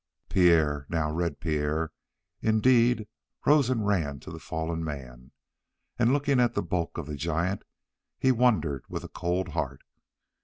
Pierre, now Red Pierre, indeed, rose and ran to the fallen man, and, looking at the bulk of the giant, he wondered with a cold heart.